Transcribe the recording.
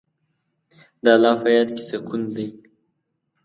د الله په یاد کې سکون دی.